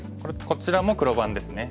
こちらも黒番ですね。